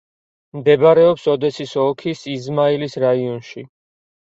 მდებარეობს ოდესის ოლქის იზმაილის რაიონში.